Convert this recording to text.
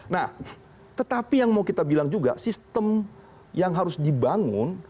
nah tetapi yang mau kita bilang juga sistem yang harus dibangun